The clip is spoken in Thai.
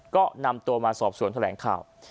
ก็นำตัวมาสอบสวนแถลงข่าว